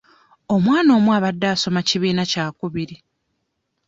Omwana omu abadde asoma kibiina kya kubiri.